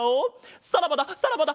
さらばださらばだ